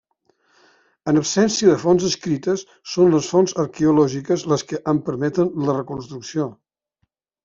En absència de fonts escrites, són les fonts arqueològiques les que en permeten la reconstrucció.